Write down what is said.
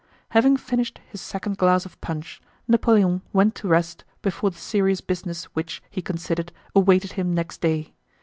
Having finished his second glass of punch, Napoleon went to rest before the serious business which, he considered, awaited him next day.